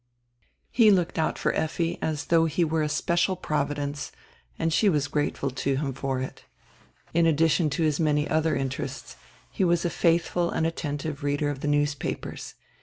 He looked out for Effi as though he were a special Provi dence, and she was grateful to him for it In addition to his many other interests he was a faithful and attentive reader of the newspapers.